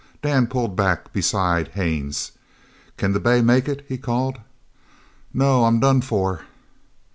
Dan pulled back beside Haines. "Can the bay make it?" he called. "No. I'm done for."